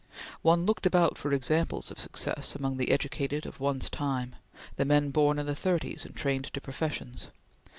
One looked about for examples of success among the educated of one's time the men born in the thirties, and trained to professions.